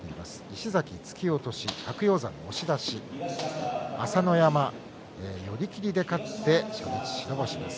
石崎、突き落とし、白鷹山押し出し、朝乃山、寄り切りで勝って初日白星です。